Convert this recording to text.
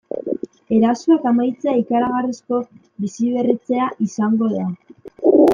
Erasoak amaitzea ikaragarrizko biziberritzea izango da.